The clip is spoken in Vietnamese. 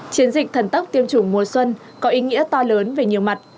chiến dịch thần tốc tiêm chủng mùa xuân có ý nghĩa to lớn về nhiều mặt